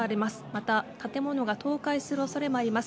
また、建物が倒壊する恐れもあります。